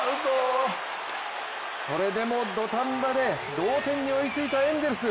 それでも土壇場で同点に追いついたエンゼルス。